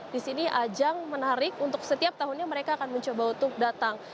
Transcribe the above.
di sini ajang menarik untuk setiap tahunnya mereka akan mencoba untuk datang